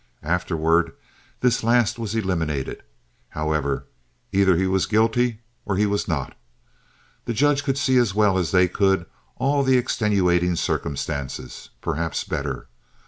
Afterward this last was eliminated, however; either he was guilty or he was not. The judge could see as well as they could all the extenuating circumstances—perhaps better.